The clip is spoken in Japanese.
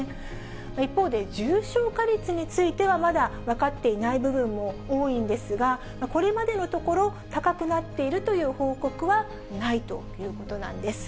一方で重症化率については、まだ分かっていない部分も多いんですが、これまでのところ、高くなっているという報告はないということなんです。